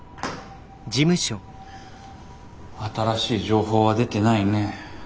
新しい情報は出てないね。